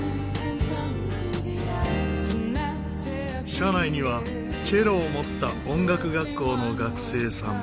車内にはチェロを持った音楽学校の学生さん。